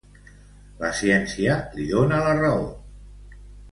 La ciència li dona la raó.